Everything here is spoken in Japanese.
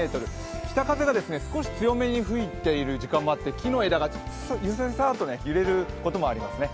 北風が少し強めに吹いている時間もあって木の枝がゆさゆさと揺れることもありますね。